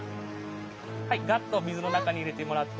はいガッと水の中に入れてもらって。